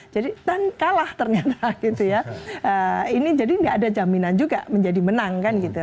jadi kalah ternyata gitu ya ini jadi tidak ada jaminan juga menjadi menang kan gitu